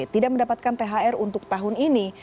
tidak mendapatkan thr untuk tahun ini